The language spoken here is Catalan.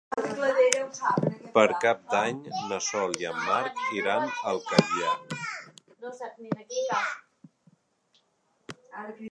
Per Cap d'Any na Sol i en Marc iran al Catllar.